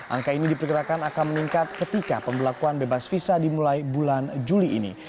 angka ini diperkirakan akan meningkat ketika pembelakuan bebas visa dimulai bulan juli ini